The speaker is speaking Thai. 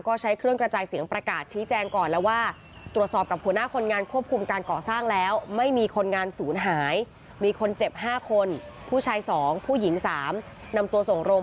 ก็ใช้เครื่องกระจายเสียงประกาศชี้แจงก่อนแล้วว่า